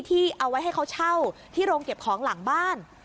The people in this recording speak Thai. ที่เอาไว้ให้เขาเช่าที่โรงเก็บของหลังบ้าน